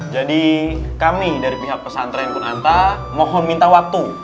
jadi kami dari pihak pesantren kunanta mohon minta waktu